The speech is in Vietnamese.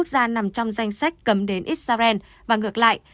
nằm trong danh sách cấm đến israel và ngược lại